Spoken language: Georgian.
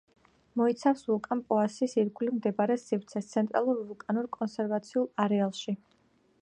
მოიცავს ვულკან პოასის ირგვლივ მდებარე სივრცეს, ცენტრალურ ვულკანურ კონსერვაციულ არეალში.